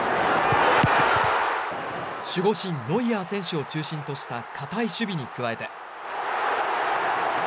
守護神・ノイアー選手を中心とした堅い守備に加えて。